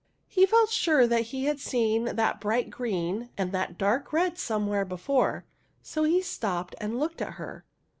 He felt sure that he had seen that bright green and that dark red somewhere before, so he stopped and looked at her.